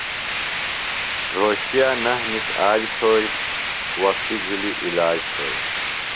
رھوشِیہ نہ نِس آج تھوئیۡ، وختیۡ جُھلیۡ عِلاج تھوئیۡ